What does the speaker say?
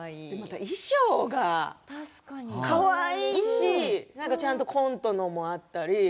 衣装もかわいいしちゃんとコントのものもあったり。